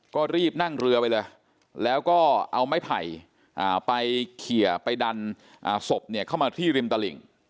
ก็รีบนั่งเรือไปเลยแล้วก็เอาไม้ไผ่ไปเขียไปดันศพเข้ามาที่ริมตลิ่ง